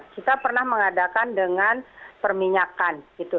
kita pernah mengadakan dengan perminyakan gitu